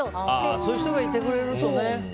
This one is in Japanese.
そういう人がいてくれるとね。